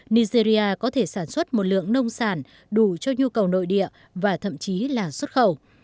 nigeria có thể sản xuất một lượng nông sản đủ cho nhu cầu nội địa và thậm chí là xuất khẩu